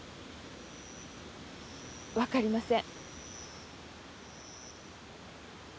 分かりません。